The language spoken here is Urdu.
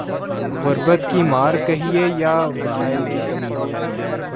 غربت کی مار کہیے یا وسائل کی کمی۔